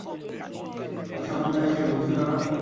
এই শব্দটাই সে বলছিল না?